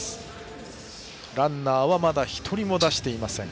ランナーはまだ１人も出していません。